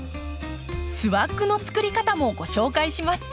スワッグの作り方もご紹介します。